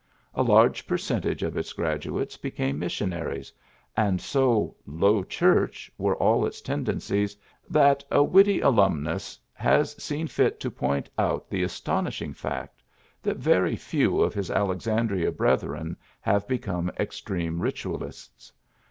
A large per centage of its graduates became mission aries, and so ^^ Low Church" were all its tendencies that a witty alumnus has seen fit to point out the astonishing fact that very few of his Alexandria brethi en have become extreme ritualists.